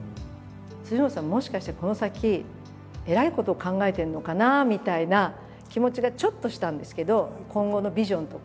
本さんもしかしてこの先えらいことを考えてるのかなみたいな気持ちがちょっとしたんですけど今後のビジョンとか。